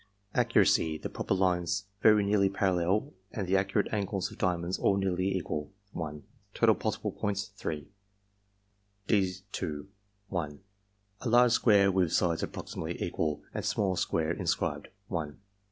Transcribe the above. Accuracy (the proper lines very nearly parallel and the acute angles of diamonds all nearly equal) 1 Total possible points, 3. (d^) L A large square with sides approximately equal, and small square inscribed 1 2.